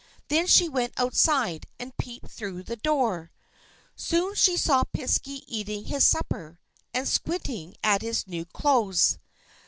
Then she went outside, and peeped through the door. Soon she saw the Piskey eating his supper, and squinting at the new clothes.